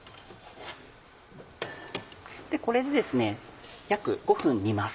これでですね約５分煮ます。